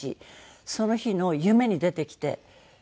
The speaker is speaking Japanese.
その日の夢に出てきて。